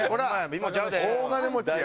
大金持ちや。